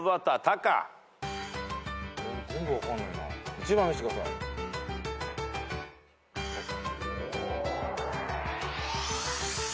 １番見してください。ＯＫ！